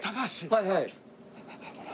はいはい。